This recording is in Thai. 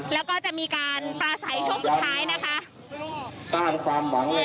แล้วก็จะมีการปลาสายช่วงสุดท้ายนะคะ